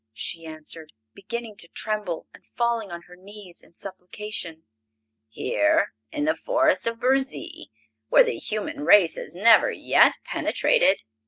she answered, beginning to tremble and falling on her knees in supplication. "Here, in the Forest of Burzee, where the human race has never yet penetrated?"